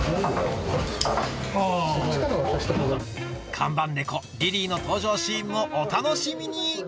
看板猫リリイの登場シーンもお楽しみに！